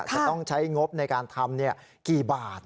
จะต้องใช้งบในการทำกี่บาท